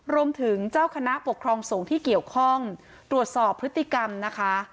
รวมถึงเจ้าคณะปกครองสงฆ์ที่เกี่ยวข้องตรวจสอบพฤติกรรมนะคะ